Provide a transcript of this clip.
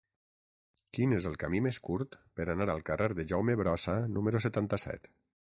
Quin és el camí més curt per anar al carrer de Jaume Brossa número setanta-set?